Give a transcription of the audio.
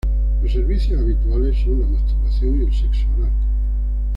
Los servicios habituales son la masturbación y el sexo oral.